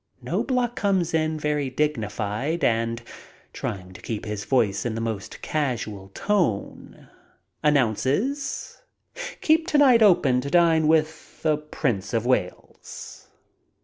Ejtiobloch comes in very dignified and, MEETING BURKE AND WELLS 97 trying to keep his voice in the most casual tone, announces, "Keep to night open to dine with the Prince of Wales."